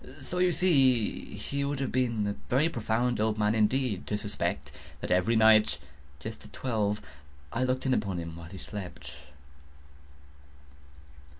So you see he would have been a very profound old man, indeed, to suspect that every night, just at twelve, I looked in upon him while he slept.